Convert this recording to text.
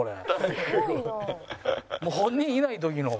もう本人いない時の。